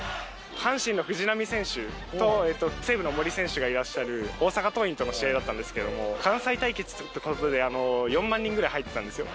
阪神の藤波選手と西武の森選手がいらっしゃる大阪桐蔭との試合だったんですけども関西対決って事で４万人ぐらい入ってたんですよ。